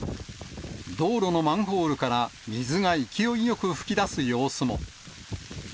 道路のマンホールから水が勢いよく噴き出す様子も。